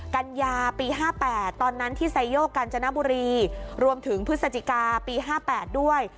กัญญาปี๕๘ตอนนั้นที่ไซโยกกาญจนบุรีรวมถึงพฤศจิกาปี๕๘ด้วย